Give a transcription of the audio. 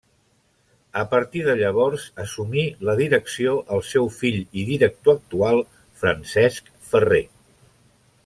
A partir de llavors assumí la direcció el seu fill i director actual, Francesc Ferrer.